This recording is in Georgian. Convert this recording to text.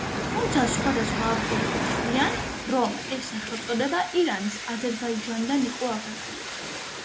თუმცა, სხვადასხვა ავტორები თვლიან, რომ ეს სახელწოდება ირანის აზერბაიჯანიდან იყო აღებული.